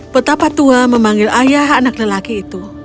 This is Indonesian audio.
peta patua memanggil ayah anak lelaki itu